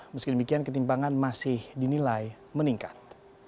meskipun demikian ketimbangan masih dinilai meningkat